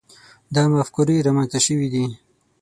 دا مفکورې رامنځته شوي دي.